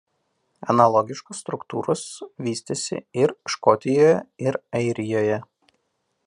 Analogiškos struktūros vystėsi ir Škotijoje ir Airijoje.